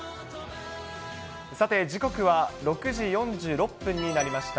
さて、時刻は６時４６分になりました。